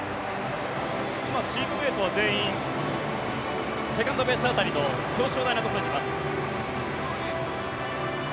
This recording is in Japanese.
今、チームメートは全員セカンドベース辺りの表彰台のところにいます。